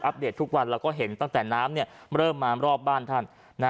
เดตทุกวันแล้วก็เห็นตั้งแต่น้ำเริ่มมารอบบ้านท่าน